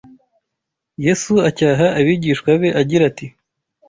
Yesu acyaha abigishwa be agira ati